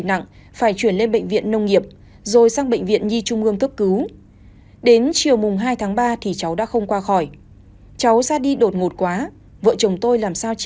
anh tuấn nghẹn ngào nói